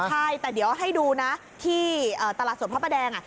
ใช่แต่เดี๋ยวให้ดูนะที่ตลาดสดพระประแดง